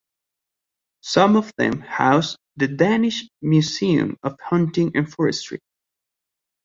Some of them house the Danish Museum of Hunting and Forestry.